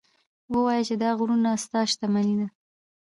ووایه چې دا غرونه ستا شتمني ده.